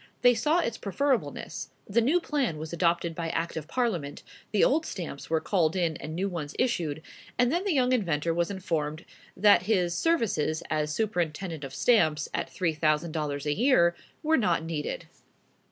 They saw its preferableness: the new plan was adopted by Act of Parliament; the old stamps were called in and new ones issued; and then the young inventor was informed that his services as Superintendent of Stamps, at three thousand dollars a year, were not needed.